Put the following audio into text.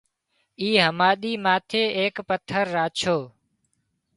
اِي هماۮي ماٿي ايڪ پٿر راڇو